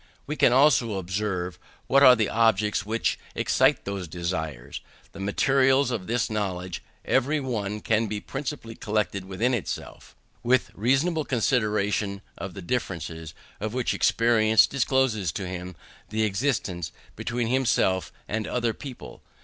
We can also observe what are the objects which excite those desires. The materials of this knowledge every one can principally collect within himself; with reasonable consideration of the differences, of which experience discloses to him the existence, between himself and other people.